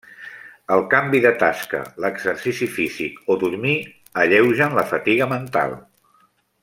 El canvi de tasca, l'exercici físic o dormir alleugen la fatiga mental.